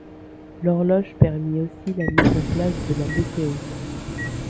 L'horloge permit aussi la mise en place de la météo.